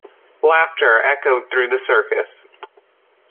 Laughter echoed through the circus.